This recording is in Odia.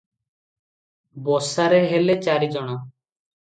ବସାରେ ହେଲେ ଚାରିଜଣ ।